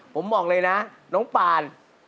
ผมบอกเลยนะน้องปาน